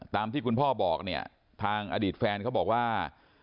ตามที่คุณพ่อบอกเนี่ยทางอดีตแฟนเขาบอกว่า